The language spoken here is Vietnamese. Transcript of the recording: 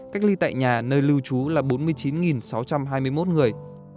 cách ly tại nhà nơi lưu trú là bốn mươi chín sáu trăm hai mươi một người